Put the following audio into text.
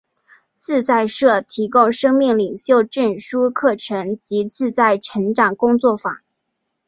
自在社提供生命领袖证书课程及自在成长工作坊。